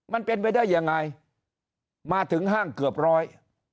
มันเป็นไปได้ยังไงมาถึงห้างเกือบร้อย